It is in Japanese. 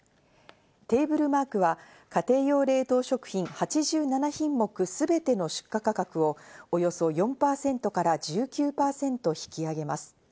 テーブルマークは家庭用冷凍食品８７品目すべての出荷価格をおよそ４％から１９％引き上げます。